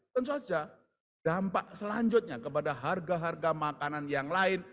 tentu saja dampak selanjutnya kepada harga harga makanan yang lain